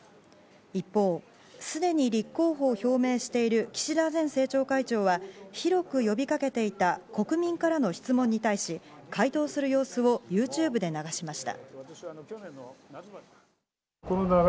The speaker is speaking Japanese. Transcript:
一方、すでに立候補を表明している岸田前政調会長は広く呼びかけていた国民からの質問に対し、回答する様子をＹｏｕＴｕｂｅで流しました。